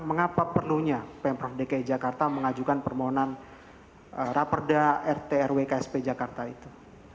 mengapa perlunya pemprov dki jakarta mengajukan permohonan rapat daidu rtr wksp jakarta itu